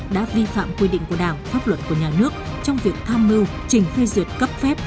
đã vi phạm quy định của đảng pháp luật của nhà nước trong việc tham mưu trình phê duyệt cấp phép